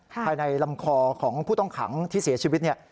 ภายในลำคอของผู้ต้องขังที่เสียชีวิตเนี่ย